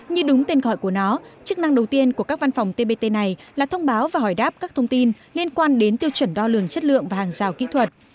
như đúng tên gọi của nó chức năng đầu tiên của các văn phòng tbt này là thông báo và hỏi đáp các thông tin liên quan đến tiêu chuẩn đo lường chất lượng và hàng rào kỹ thuật